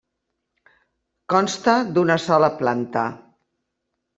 Consta d'una sola planta.